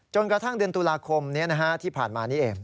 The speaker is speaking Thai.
จนกระทั่งเดือนตุลาคมนี้นะฮะที่ผ่านมานี้เอง